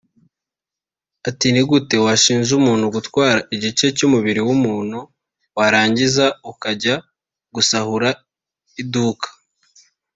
Ati “Ni gute washinja umuntu gutwara igice cy’umubiri w’umuntu warangiza ukajya gusahura iduka